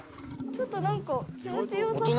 ちょっとなんか気持ちよさそう。